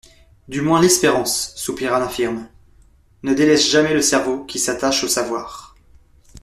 Du moins l'espérance, soupira l'infirme, ne délaisse jamais le cerveau qui s'attache au savoir.